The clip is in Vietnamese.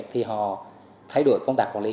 thì họ thay đổi công tác quản lý